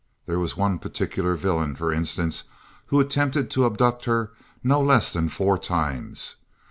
There was one particular villain, for instance, who attempted to abduct her no less than four times.